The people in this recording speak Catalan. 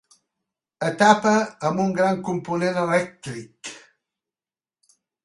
Etapa amb un gran component elèctric.